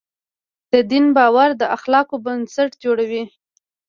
د دین باور د اخلاقو بنسټ جوړوي.